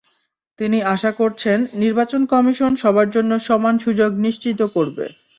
তিনি আশা করছেন, নির্বাচন কমিশন সবার জন্য সমান সুযোগ নিশ্চিত করবে।